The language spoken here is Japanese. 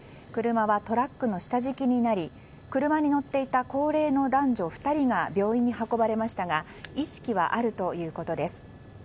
車はトラックの下敷きになり車に乗っていた高齢の男女２人が病院に運ばれましたが意識はあるということです。